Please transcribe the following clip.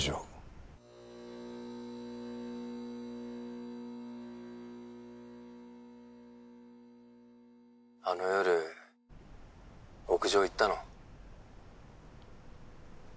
☎あの夜☎屋上行ったの？